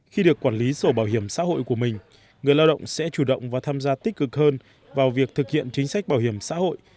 trong hồ sơ bảo hiểm xã hội huyện bát sát người lao động sẽ chủ động và tham gia tích cực hơn vào việc thực hiện chính sách bảo hiểm xã hội